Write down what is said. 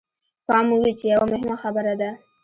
پام مو وي چې يوه مهمه خبره ده.